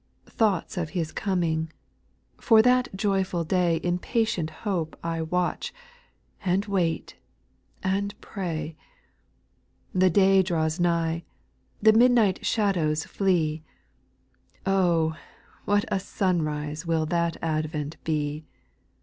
6. Thoughts of His coming; — for that joyful day In patient hope I watch, and wait, and pray ; The day draws nigh, the midnight shadows flee; Oh I what a sun rise will that advent be I 6.